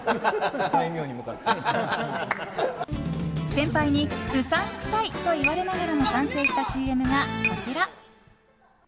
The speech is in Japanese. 先輩にうさんくさいと言われながらも完成したＣＭがこちら。